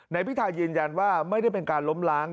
พิทายืนยันว่าไม่ได้เป็นการล้มล้าง